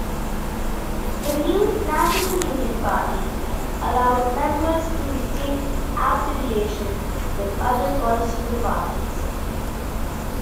The new National Union Party allowed members to retain affiliations with other political parties.